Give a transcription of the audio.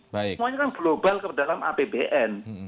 semuanya kan global ke dalam apbn